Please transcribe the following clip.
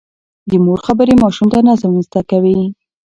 د مور خبرې ماشوم ته نظم زده کوي.